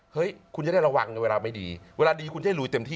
เฮ้ยคุณจะได้ระวังในเวลาไม่ดีเวลาดีคุณจะให้ลุยเต็มที่